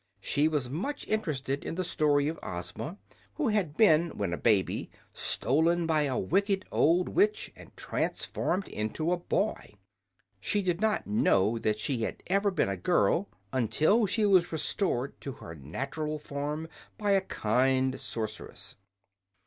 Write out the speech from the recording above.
She was much interested in the story of Ozma, who had been, when a baby, stolen by a wicked old witch and transformed into a boy. She did not know that she had ever been a girl until she was restored to her natural form by a kind sorceress.